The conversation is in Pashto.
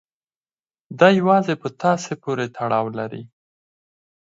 دا يوازې په تاسې پورې تړاو لري.